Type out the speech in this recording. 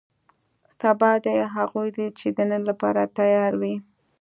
سبا دې هغو دی چې د نن لپاره تیار وي.